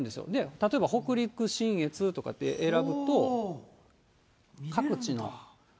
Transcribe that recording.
例えば北陸信越とか選ぶと、各地の。